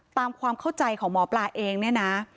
ความเข้าใจของหมอปลาเองเนี่ยนะ